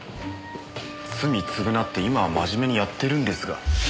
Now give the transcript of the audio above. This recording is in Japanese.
罪償って今は真面目にやってるんですが。